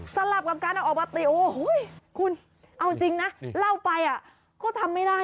สลับกับการเอาออกมาตีโอ้โหคุณเอาจริงนะเล่าไปก็ทำไม่ได้